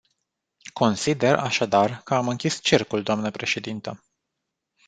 Consider, așadar, că am închis cercul, dnă președintă.